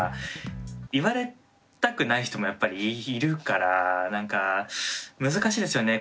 言われたくない人もやっぱりいるからなんか難しいですよね。